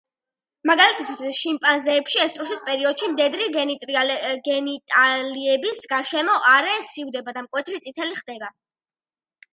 მაგალითისთვის, შიმპანზეებში ესტრუსის პერიოდში, მდედრის გენიტალიების გარშემო არე სივდება და მკვეთრი წითელი ხდება.